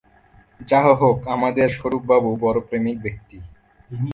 যাহা হউক, আমাদের স্বরূপবাবু বড়ো প্রেমিক ব্যক্তি।